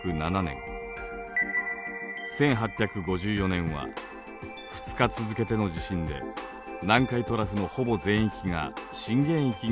１８５４年は２日続けての地震で南海トラフのほぼ全域が震源域になりました。